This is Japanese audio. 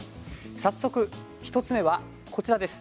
早速１つ目は、こちらです。